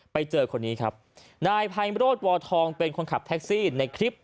ไปเจอคนนี้ครับนายไพโรธวทองเป็นคนขับแท็กซี่ในคลิป